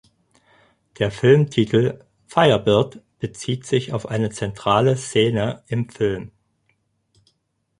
Der Filmtitel "Firebird" bezieht sich auf eine zentrale Szene im Film.